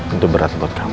itu berat buat kamu